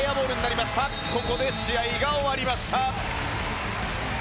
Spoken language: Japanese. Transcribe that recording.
ここで試合が終わりました。